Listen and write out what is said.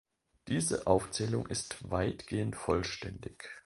Diese Aufzählung ist weitgehend vollständig.